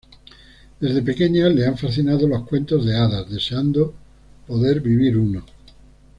Desde pequeña le han fascinado los cuentos de hadas, deseando poder vivir uno.